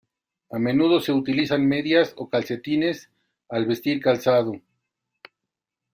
A menudo se utilizan medias o calcetines al vestir calzado.